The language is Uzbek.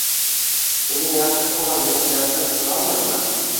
Sizni yaxshi tomonga o’zgartirib qo’yolmayman.